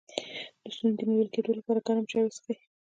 د ستوني د نیول کیدو لپاره ګرم چای وڅښئ